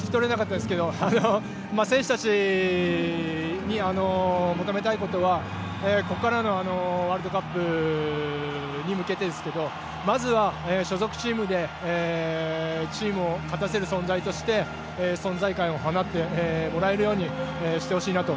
選手たちに求めたいことはここからのワールドカップに向けてですけど、まずは所属チームでチームを勝たせる存在として存在感を放ってもらえるようにしてほしいなと。